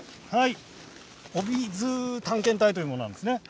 おびＺｏｏ探検隊というものなんです。